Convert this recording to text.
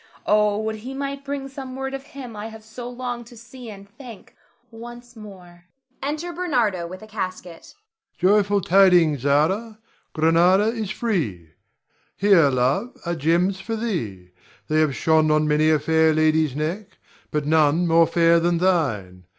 Oh, would he might bring some word of him I have so longed to see and thank once more! [Enter Bernardo with a casket. Ber. Joyful tidings, Zara! Grenada is free. Here, love, are gems for thee; they have shone on many a fair lady's neck, but none more fair than thine.